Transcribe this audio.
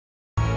terima kasih pak